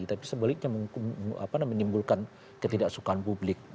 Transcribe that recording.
tapi sebaliknya menimbulkan ketidaksukaan publik